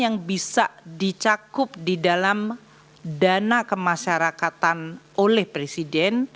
yang bisa dicakup di dalam dana kemasyarakatan oleh presiden